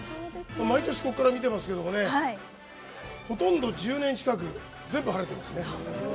毎年ここから見てますけどもねほとんど、１０年近く全部、晴れてますね。